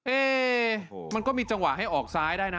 เอ๊มันก็มีจังหวะให้ออกซ้ายได้นะ